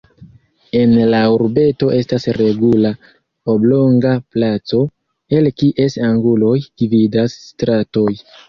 En la urbeto estas regula oblonga placo, el kies anguloj gvidas stratoj.